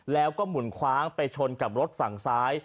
แล้วก็หมุนคว้างไปชนกับรถฝั่งซ้าย